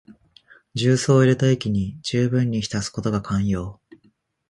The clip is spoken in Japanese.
重曹を入れた液にじゅうぶんに浸すことが肝要。